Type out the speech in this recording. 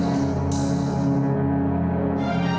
jadi setelah keteluruan ini juhan mau menjumpa pointsdert